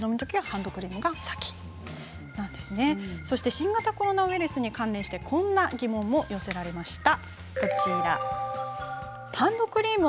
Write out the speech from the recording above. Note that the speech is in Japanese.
新型コロナウイルスに関連してこんな疑問も寄せられました。